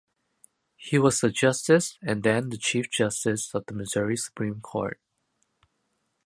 He was the justice and then the chief justice of the Missouri supreme court.